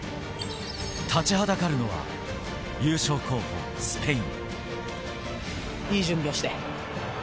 立ちはだかるのは、優勝候補・スペイン。